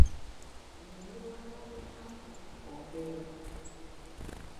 Ne weewa n’obutwa mbu oveewo.